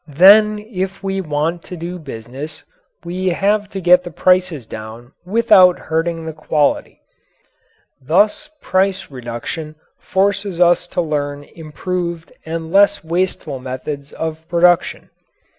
Then if we want to do business we have to get the prices down without hurting the quality. Thus price reduction forces us to learn improved and less wasteful methods of production.